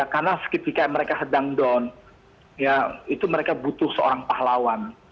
karena ketika mereka sedang down mereka butuh seorang pahlawan